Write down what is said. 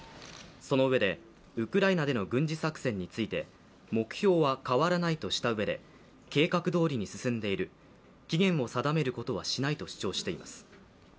そのうえでウクライナでの軍事作戦について、目標は変わらないとしたうえで計画通りに進んでいる、期限を定めることはしないと主張しています。